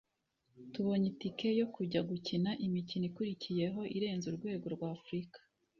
tubonye itike yo kujya gukina imikino ikurikiyeho irenze urwego rw’Afurika